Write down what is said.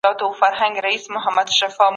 رښتیني معلومات هیڅکله مه پټوئ.